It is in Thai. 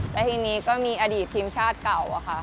แล้วทีนี้ก็มีอดีตทีมชาติเก่าค่ะ